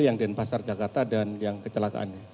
yang denpasar jakarta dan yang kecelakaannya